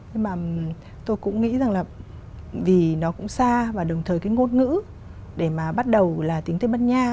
nhưng mà tôi cũng nghĩ rằng là vì nó cũng xa và đồng thời cái ngôn ngữ để mà bắt đầu là tiếng tây bắc nha